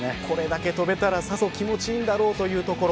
これだけとべたら、さぞ気持ちいいんだろうということ。